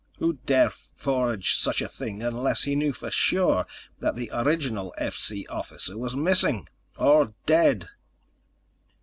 Who'd dare forge such a thing unless he knew for sure that the original FC officer was missing ... or dead?"